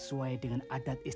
tuhan yang menjaga kita